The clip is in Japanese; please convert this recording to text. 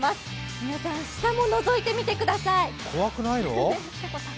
皆さん、下ものぞいてみてください怖くないの？